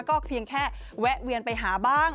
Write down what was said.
ก็เพียงแค่แวะเวียนไปหาบ้าง